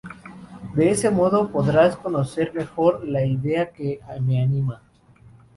De ese modo podrás conocer mejor la idea que me anima